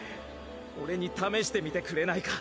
俺に試してみてくれないか？